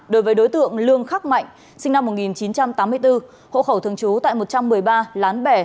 đối với đối tượng lương khắc mạnh sinh năm một nghìn chín trăm tám mươi bốn hộ khẩu thường trú tại một trăm một mươi ba lán bè